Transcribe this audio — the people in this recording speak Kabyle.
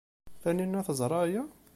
Taninna teẓra aya?